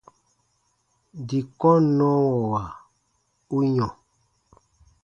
Dii kɔnnɔwɔwa u yɔ̃.